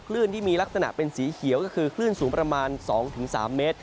ที่มีลักษณะเป็นสีเขียวก็คือคลื่นสูงประมาณ๒๓เมตร